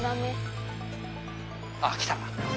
あっ来た。